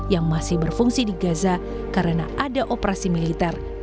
yang masih berfungsi di gaza karena ada operasi militer